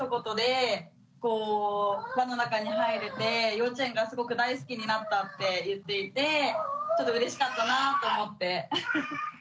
幼稚園がすごく大好きになったって言っていてちょっとうれしかったなぁと思って。